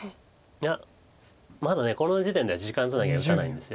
いやまだこの時点では時間つなぎは打たないんです。